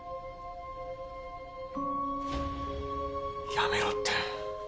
やめろって。